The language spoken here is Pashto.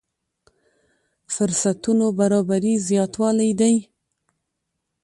فرصتونو برابري زياتوالی دی.